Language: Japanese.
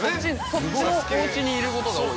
そっちのおうちにいることが多い。